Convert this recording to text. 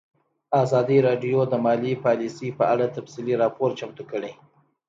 ازادي راډیو د مالي پالیسي په اړه تفصیلي راپور چمتو کړی.